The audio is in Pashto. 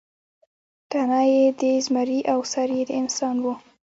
تنه یې د زمري او سر یې د انسان و.